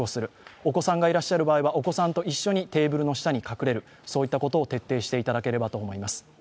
お子さんがいらっしゃる場合はお子さんと一緒にテーブルの下に隠れることを徹底していただければと思います。